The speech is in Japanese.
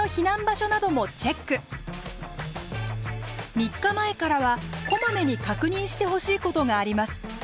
３日前からはこまめに確認してほしいことがあります。